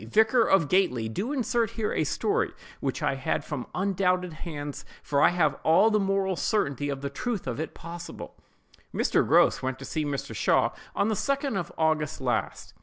vicar of Gately, do insert here a story which I had from undoubted hands; for I have all the moral certainty of the truth of it possible:— "Mr. Grose went to see Mr. Shaw on the 2d of August last.